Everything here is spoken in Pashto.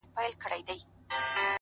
علم د فکر جوړښت بدلوي!